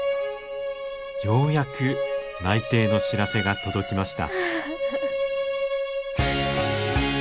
ようやく内定の知らせが届きました。